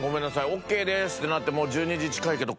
「オッケーです」ってなってもう１２時近いけど。